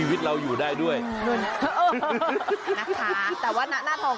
เฮ้ยเพื่อนบ้าน